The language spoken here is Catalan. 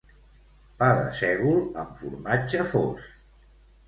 Pa de sègol amb formatge fos